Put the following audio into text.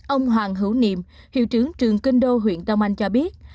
ông hoàng hữu niệm hiệu trưởng trường kinh đô huyện đông anh cho biết